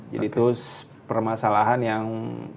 jadi itu permasalahan yang